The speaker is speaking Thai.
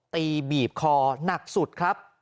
บีบคอหนักสุดครับ